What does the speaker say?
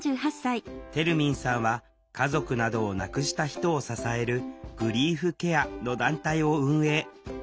てるみんさんは家族などを亡くした人を支える「グリーフケア」の団体を運営。